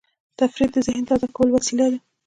تفریح د ذهن تازه کولو وسیله ده.